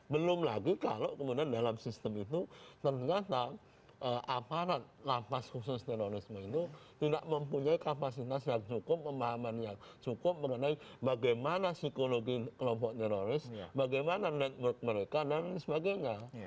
belum lagi kalau kemudian dalam sistem itu ternyata aparat lapas khusus terorisme itu tidak mempunyai kapasitas yang cukup pemahaman yang cukup mengenai bagaimana psikologi kelompok teroris bagaimana network mereka dan sebagainya